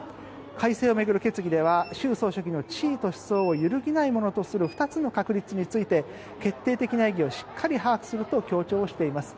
改正を巡る決議では習総書記の地位と思想を揺るぎないものとする二つの確立について決定的な意義をしっかり把握すると強調しています。